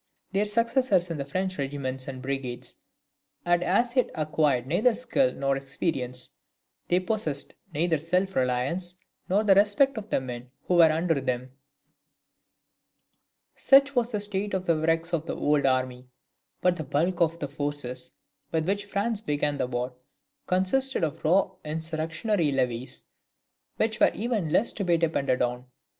Their successors in the French regiments and brigades had as yet acquired neither skill nor experience: they possessed neither self reliance nor the respect of the men who were under them. Such was the state of the wrecks of the old army; but the bulk of the forces with which France began the war, consisted of raw insurrectionary levies, which were even less to be depended on.